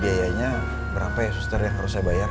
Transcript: biayanya berapa ya suster yang harus saya bayar